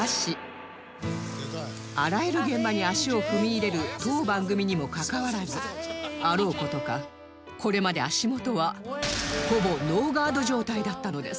あらゆる現場に足を踏み入れる当番組にもかかわらずあろう事かこれまで足元はほぼノーガード状態だったのです